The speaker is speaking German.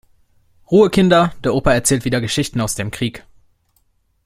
Ruhe Kinder, der Opa erzählt wieder Geschichten aus dem Krieg.